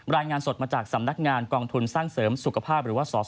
รายงานสดมาจากสำนักงานกองทุนสร้างเสริมสุขภาพหรือว่าสส